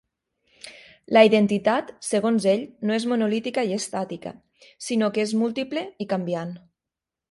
La identitat, segons ell, no és monolítica i estàtica; sinó que és múltiple i canviant.